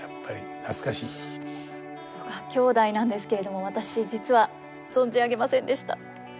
曽我兄弟なんですけれども私実は存じ上げませんでした。